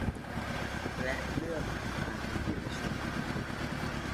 และเลือกประธานในที่ประชุม